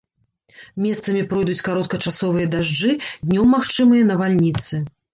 Месцамі пройдуць кароткачасовыя дажджы, днём магчымыя навальніцы.